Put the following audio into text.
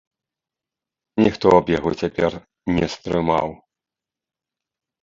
Ніхто б яго цяпер не стрымаў.